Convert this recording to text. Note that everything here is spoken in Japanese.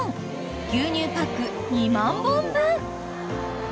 牛乳パック２万本分］